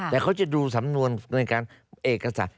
แต่เขาจะดูสำนวนในการเอกสาร